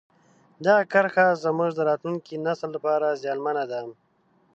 دغه کرښه زموږ د راتلونکي نسل لپاره زیانمنه ده.